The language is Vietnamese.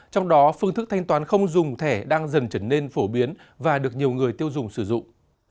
trong đó phương thức thanh toán không dùng thẻ đang dần trở nên phổ biến và được nhiều người tiêu dùng sử dụng